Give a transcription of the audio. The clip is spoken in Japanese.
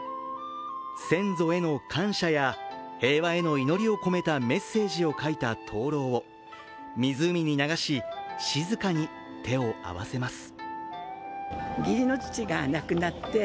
先祖への感謝や平和への祈りを込めたメッセージを書いた灯籠を、湖に流し静かに手を合わせます。